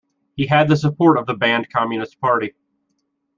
He had the support of the banned Communist Party.